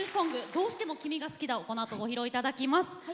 「どうしても君が好きだ」をこのあとご披露していただきます。